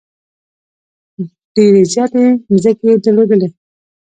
ډېرې زیاتې مځکې یې درلودلې.